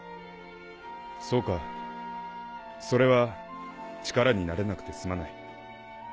そうかそれは力になれなくてすまない。